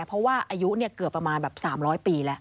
เพราะว่าอายุเกือบประมาณแบบ๓๐๐ปีแล้ว